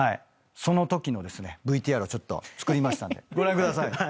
そのときのですねＶＴＲをちょっと作りましたんでご覧ください。